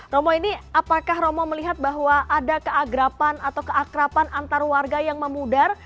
romo ini apakah romo melihat bahwa ada keagrapan atau keakrapan antar warga yang memudar